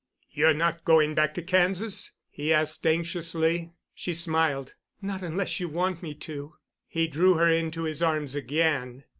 "You're not going back to Kansas?" he asked anxiously. She smiled. "Not unless you want me to." He drew her into his arms again.